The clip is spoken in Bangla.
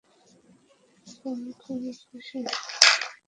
আমি খুবই খুশি।